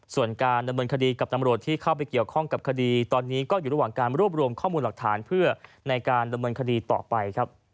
ส่วนการดำเนินคดีกับตำรวจที่เข้าไปเกี่ยวข้องกับคดีตอนนี้ก็อยู่ระหว่างการรวบรวมข้อมูลหลักฐานเพื่อในการดำเนินคดีต่อไปครับ